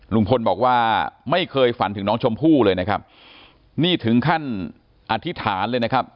ลุงพลบอกว่าไม่เคยฝันถึงน้องชมพู่เลยนะครับนี่ถึงขั้นอธิษฐานเลยนะครับ